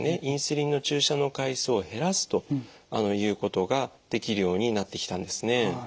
インスリンの注射の回数を減らすということができるようになってきたんですね。